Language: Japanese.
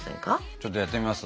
ちょっとやってみます？